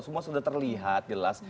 semua sudah terlihat jelas